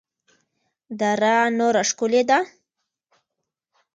دره نور ښکلې ده؟